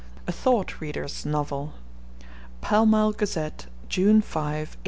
A THOUGHT READER'S NOVEL (Pall Mall Gazette, June 5, 1889.)